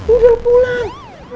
udah lu pulang